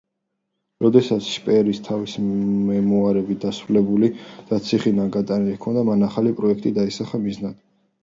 როდესაც შპეერს თავისი მემუარები დასრულებული და ციხიდან გატანილი ჰქონდა, მან ახალი პროექტი დაისახა მიზნად.